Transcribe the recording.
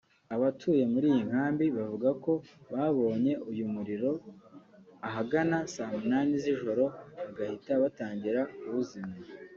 Abatuye muri iyi nkambi bavuga ko babonye uyu muriro ahagana saa munani z’ijoro bagahita batangira kuwuzimya